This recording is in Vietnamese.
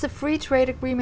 cho năm hai nghìn một mươi bảy